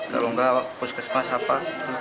kalau enggak puskesmas apa